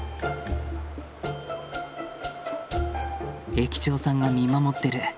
駅長さんが見守ってる。